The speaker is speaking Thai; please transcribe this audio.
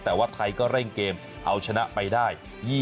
แต่ว่าไทยก็เร่งเกมเอาชนะไปได้